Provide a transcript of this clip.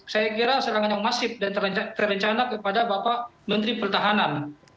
saya kira serangan yang masif dan terencana kepada bapak menteri pertahanan